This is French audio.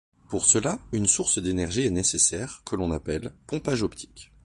Pour cela, une source d'énergie est nécessaire que l'on appelle pompage optique.